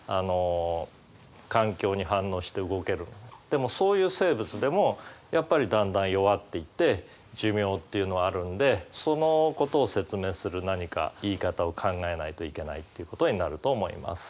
でもそういう生物でもやっぱりだんだん弱っていって寿命っていうのはあるんでそのことを説明する何か言い方を考えないといけないということになると思います。